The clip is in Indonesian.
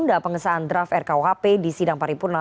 dan andreas marbun